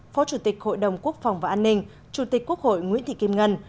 phó chủ tịch hội đồng quốc phòng và an ninh chủ tịch quốc hội nguyễn thị kim ngân